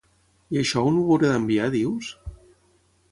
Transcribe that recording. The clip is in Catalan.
I això on ho hauré d'enviar dius?